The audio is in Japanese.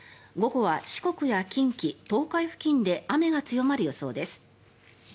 午後は四国や近畿、東海付近で雨が強まる予想です。